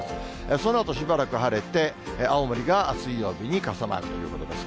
そのあと、しばらく晴れて、青森が水曜日に傘マークということです。